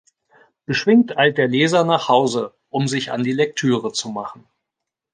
Beschwingt eilt der Leser nach Hause, um sich an die Lektüre zu machen.